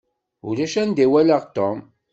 Ulac anda i walaɣ Tom.